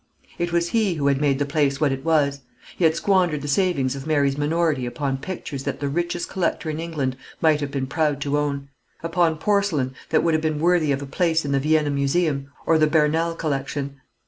It was he who had made the place what it was. He had squandered the savings of Mary's minority upon pictures that the richest collector in England might have been proud to own; upon porcelain that would have been worthy of a place in the Vienna Museum or the Bernal Collection.